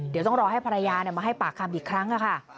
เดี๋ยวต้องรอให้ภรรยามาให้ปากคำอีกครั้งค่ะ